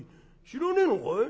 「知らねえのかい？